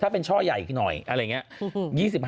ถ้าเป็นช่อใหญ่หน่อยอะไรอย่างนี้